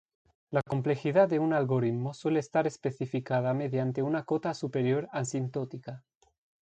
La complejidad de un algoritmo suele estar especificada mediante una cota superior asintótica.